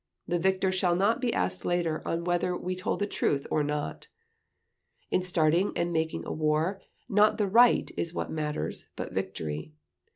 The victor shall not be asked later on whether we told the truth or not. In starting and making a war, not the Right is what matters, but Victory